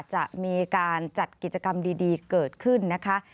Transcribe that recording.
จะมีการจัดกิจกรรมดีเกิดขึ้นนะคะ